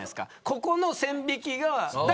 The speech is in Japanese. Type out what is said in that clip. ここの線引きが。